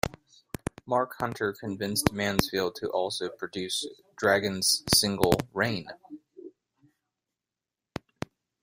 Marc Hunter convinced Mansfield to also produce Dragon's single "Rain".